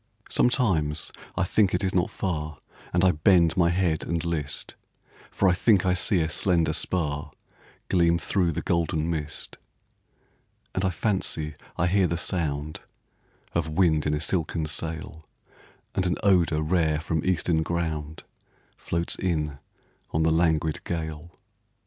Sometimes I think it is not far And I bend my head and list, For I think I see a slender spar Gleam through the golden mist; And I fancy I hear the sound Of wind in a silken sail, And an odor rare from Eastern ground, Floats in on the languid gale.